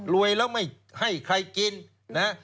รวยแล้วไม่ให้ใครกินนะ